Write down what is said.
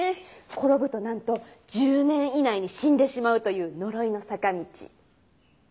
転ぶとなんと１０年以内に死んでしまうという呪いの坂道。